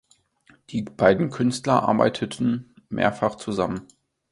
Die beiden Künstler arbeiteten mehrfach zusammen.